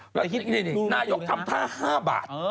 พี่สมคติว่าลูกทำท่า๕บาท